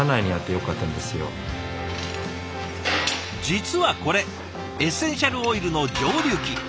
実はこれエッセンシャルオイルの蒸留機。